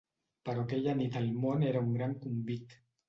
Però aquella nit el món era un gran convit.